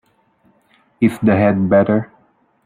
Is the head better?